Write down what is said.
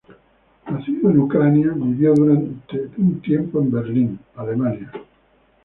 Nacido en Ucrania, vivió durante un tiempo en Berlín, Alemania.